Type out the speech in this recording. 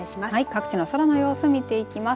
各地の空の様子を見ていきます。